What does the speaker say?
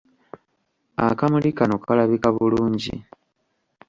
Akamuli kano kalabika bulungi!